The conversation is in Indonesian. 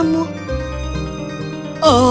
kampusmu banget junge baiou